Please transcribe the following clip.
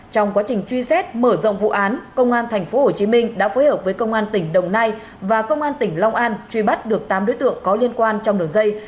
trong quá trình truy xét mở rộng vụ án công an tp hcm đã phối hợp với công an tỉnh đồng nai và công an tỉnh long an truy bắt được tám đối tượng có liên quan trong đường dây